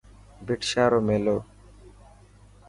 ڀٽ شاهه رو ميلو.